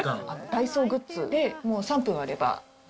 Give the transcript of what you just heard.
ダイソーグッズで、もう３分あれば。